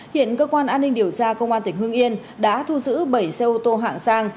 hiện cơ quan an ninh điều tra công an tỉnh hương yên đã thu giữ bảy xe ô tô hạng sang